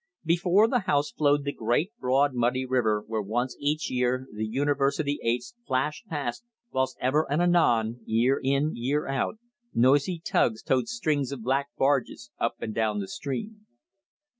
Before the house flowed the great broad muddy river where once each year the University eights flashed past, while ever and anon, year in, year out, noisy tugs towed strings of black barges up and down the stream.